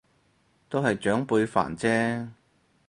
都係長輩煩啫